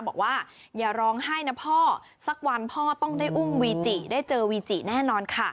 บอกว่าอย่าร้องไห้นะพ่อสักวันพ่อต้องได้อุ้มวีจิได้เจอวีจิแน่นอนค่ะ